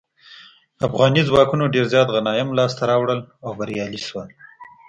افغاني ځواکونو ډیر زیات غنایم لاسته راوړل او بریالي شول.